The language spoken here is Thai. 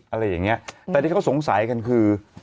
อะไรอย่างเงี้ยแต่ที่เขาสงสัยกันคือ